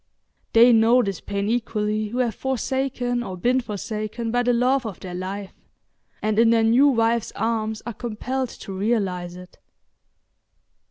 They know this pain equally who have forsaken or been forsaken by the love of their life, and in their new wives' arms are compelled to realise it.